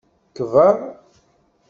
Kber.